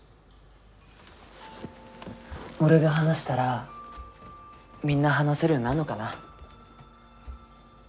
俺が話したらみんな話せるようになんのかな。